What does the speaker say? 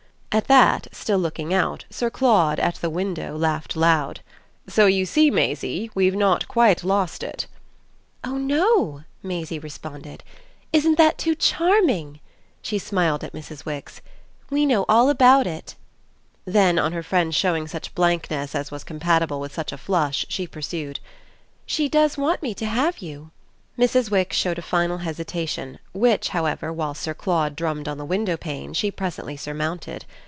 At that, still looking out, Sir Claude, at the window, laughed loud. "So you see, Maisie, we've not quite lost it!" "Oh no," Maisie responded. "Isn't that too charming?" She smiled at Mrs. Wix. "We know all about it." Then on her friend's showing such blankness as was compatible with such a flush she pursued: "She does want me to have you?" Mrs. Wix showed a final hesitation, which, however, while Sir Claude drummed on the window pane, she presently surmounted.